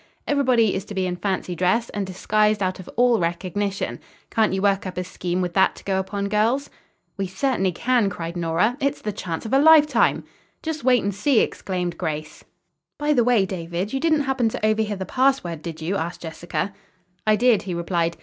Everybody is to be in fancy dress, and disguised out of all recognition. Can't you work up a scheme with that to go upon, girls?" "We certainly can," cried Nora. "It's the chance of a lifetime." "Just wait and see!" exclaimed Grace. "By the way, David, you didn't happen to overhear the password, did you?" asked Jessica. "I did," he replied.